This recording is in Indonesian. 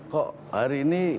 kok hari ini